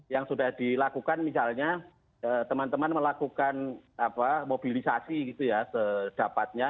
yang sudah dilakukan misalnya teman teman melakukan mobilisasi sedapatnya